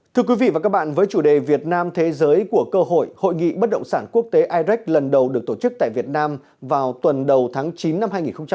thưa quý vị và các bạn với chủ đề việt nam thế giới của cơ hội hội nghị bất động sản quốc tế irek lần đầu được tổ chức tại việt nam vào tuần đầu tháng chín năm hai nghìn hai mươi